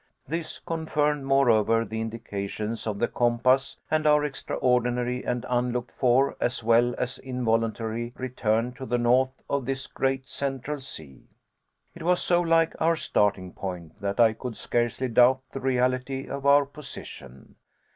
This confirmed, moreover, the indications of the compass and our extraordinary and unlooked for, as well as involuntary, return to the north of this great Central Sea. It was so like our starting point, that I could scarcely doubt the reality of our position.